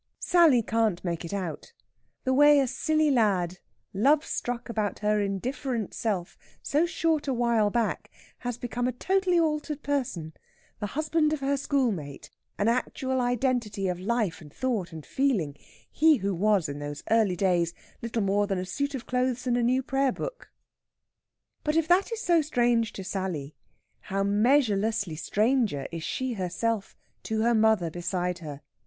Sally can't make it out the way a silly lad, love struck about her indifferent self so short a while back, has become a totally altered person, the husband of her schoolmate, an actual identity of life and thought and feeling; he who was in those early days little more than a suit of clothes and a new prayer book. But if that is so strange to Sally, how measurelessly stranger is she herself to her mother beside her!